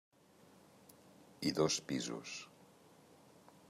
I dos pisos.